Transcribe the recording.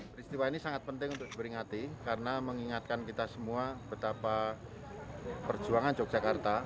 peristiwa ini sangat penting untuk diperingati karena mengingatkan kita semua betapa perjuangan yogyakarta